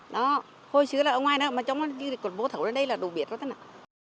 đó hồi xưa là ở ngoài đó mà trong cái vô thổ ở đây là đồ biệt quá tất cả